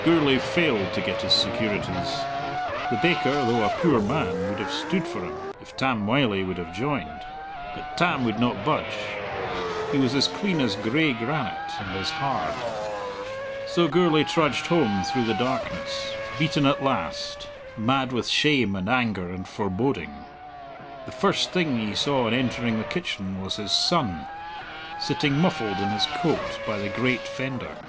Gourlay failed to get his securities. The baker, though a poor man, would have stood for him, if Tam Wylie would have joined; but Tam would not budge. He was as clean as gray granite, and as hard. So Gourlay trudged home through the darkness, beaten at last, mad with shame and anger and foreboding. The first thing he saw on entering the kitchen was his son sitting muffled in his coat by the great fender.